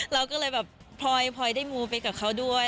เราก็เลยแบบพลอยได้มูไปกับเขาด้วย